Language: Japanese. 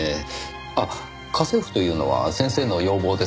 あっ家政婦というのは先生の要望ですか？